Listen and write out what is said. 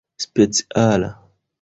speciala